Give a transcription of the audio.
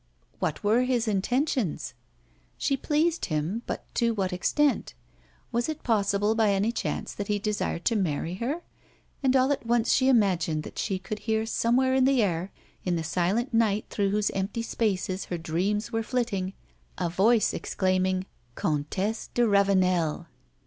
What were his intentions? She pleased him, but to what extent? Was it possible by any chance that he desired to marry her? And all at once she imagined that she could hear somewhere in the air, in the silent night through whose empty spaces her dreams were flitting, a voice exclaiming, "Comtesse de Ravenel."